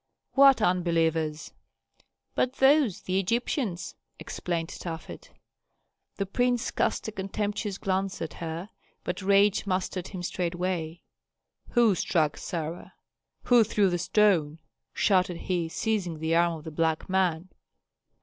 "What unbelievers?" "But those the Egyptians!" explained Tafet. The prince cast a contemptuous glance at her, but rage mastered him straightway. "Who struck Sarah? Who threw the stone?" shouted he, seizing the arm of the black man.